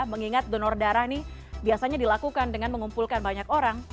mengingat donor darah ini biasanya dilakukan dengan mengumpulkan banyak orang